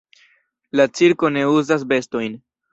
La cirko ne uzas bestojn.